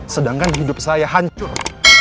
sedangkan hidup saya hancur